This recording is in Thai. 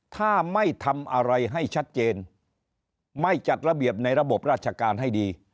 ถ้าไม่ทำอะไรให้ชัดเจนไม่จัดระเบียบในระบบราชการให้ดี